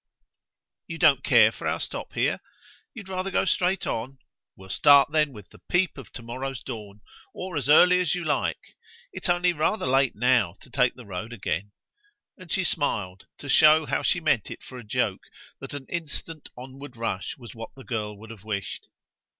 "You don't care for our stop here you'd rather go straight on? We'll start then with the peep of tomorrow's dawn or as early as you like; it's only rather late now to take the road again." And she smiled to show how she meant it for a joke that an instant onward rush was what the girl would have wished.